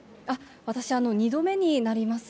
私、２度目になります。